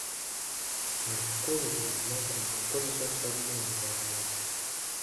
Kino kikole buli lunaku ng’okozesa ssabbuuni n’amazzi.